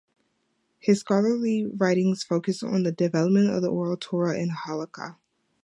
His scholarly writings focus on the development of the Oral Torah and halacha.